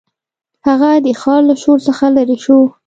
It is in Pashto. هغه د ښار له شور څخه لیرې شو.